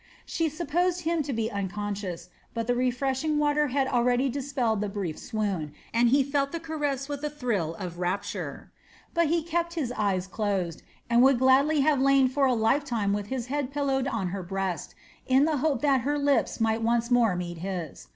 She supposed him to be unconscious, but the refreshing water had already dispelled the brief swoon, and he felt the caress with a thrill of rapture. But he kept his eyes closed, and would gladly have lain for a life time with his head pillowed on her breast in the hope that her lips might once more meet his.